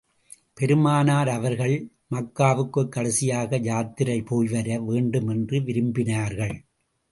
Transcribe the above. பெருமானார் அவர்கள், மக்காவுக்குக் கடைசியாக யாத்திரை போய் வர வேண்டும் என்று விரும்பினார்கள்.